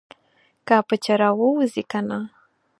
که پچه راوځي کنه.